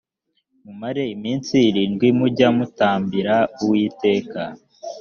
mumare iminsi irindwi mujya mutambira uwiteka